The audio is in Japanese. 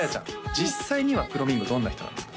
実際にはくろみんごどんな人なんですか？